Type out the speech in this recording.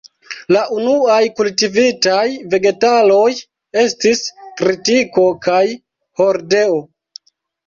La unuaj kultivitaj vegetaloj estis tritiko kaj hordeo.